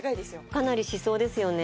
かなりしそうですよね